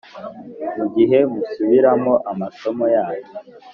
mu gihe musubiramo amasomo yanyu.